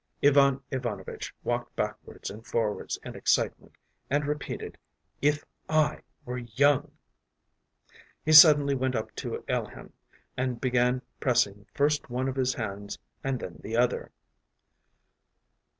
” Ivan Ivanovitch walked backwards and forwards in excitement, and repeated: “If I were young!” He suddenly went up to Alehin and began pressing first one of his hands and then the other.